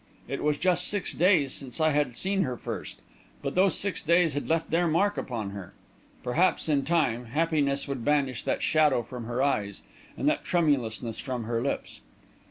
It was just six days since I had seen her first; but those six days had left their mark upon her. Perhaps, in time, happiness would banish that shadow from her eyes, and that tremulousness from her lips.